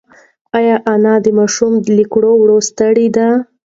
ایا انا د ماشوم له کړو وړو ستړې ده؟